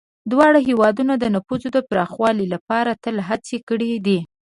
دواړه هېوادونه د نفوذ پراخولو لپاره تل هڅې کړي دي.